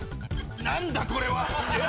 何だ⁉これは！